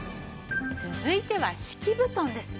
続いては敷き布団です。